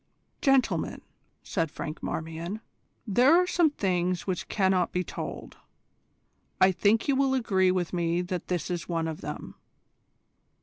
"Gentlemen," said Franklin Marmion, "there are some things which cannot be told. I think you will agree with me that this is one of them.